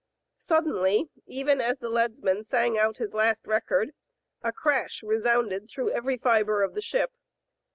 Suddenly, even as the leadsman sang out his last record, a crash resounded through every fiber of the ship.